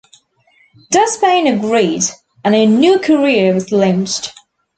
Despain agreed, and a new career was launched.